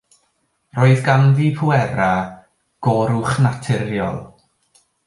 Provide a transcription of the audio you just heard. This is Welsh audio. Roedd ganddi bwerau goruwchnaturiol.